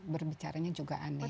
berbicaranya juga aneh